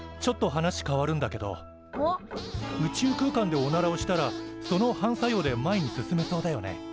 宇宙空間でおならをしたらその反作用で前に進めそうだよね。